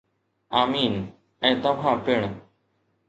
آمين ...۽ توهان پڻ.